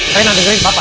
rena dengerin papa